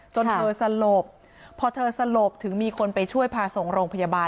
จนเธอสลบพอเธอสลบถึงมีคนไปช่วยพาส่งโรงพยาบาล